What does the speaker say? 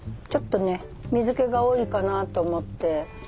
ちょっとね水けが多いかなと思って。